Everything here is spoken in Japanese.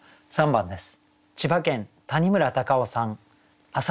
３番です。